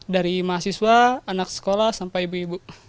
dari mahasiswa anak sekolah sampai ibu ibu